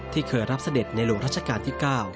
เคยรับเสด็จในหลวงรัชกาลที่๙